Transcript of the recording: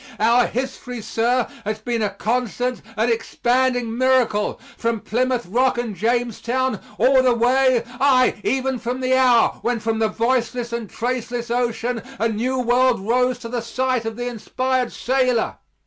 Our history, sir, has been a constant and expanding miracle, from Plymouth Rock and Jamestown, all the way aye, even from the hour when from the voiceless and traceless ocean a new world rose to the sight of the inspired sailor.